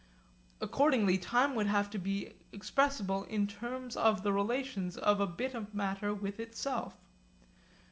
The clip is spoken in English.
Accordingly time would have to be expressible in terms of the relations of a bit of matter with itself.